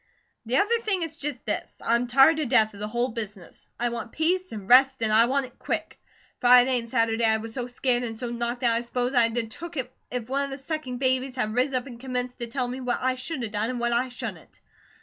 "The other thing is just this: I'm tired to death of the whole business. I want peace and rest and I want it quick. Friday and Saturday I was so scared and so knocked out I s'pose I'd 'a' took it if one of the sucking babies had riz up and commenced to tell me what I should a done, and what I shouldn't.